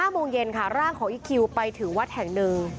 โมงเย็นค่ะร่างของอีคคิวไปถึงวัดแห่งหนึ่ง